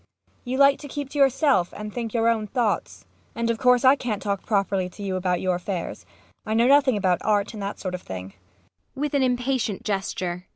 You like to keep to yourself and think your own thoughts. And of course I can't talk properly to you about your affairs. I know nothing about art and that sort of thing [With an impatient gesture.